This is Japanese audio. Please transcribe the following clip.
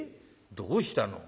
どうしたの？